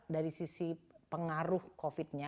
dari sisi pengaruh covid nya